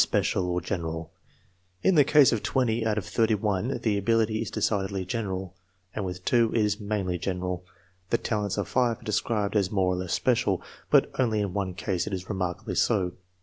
Ability special or general In the case of SO out of 31 the abil ity is decidedly general, and with 2 it is mainly general. The talents of 5 are described as more or less special, but only in one case is it remarkably so.